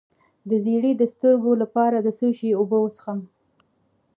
د زیړي د سترګو لپاره د څه شي اوبه وڅښم؟